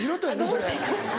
それ。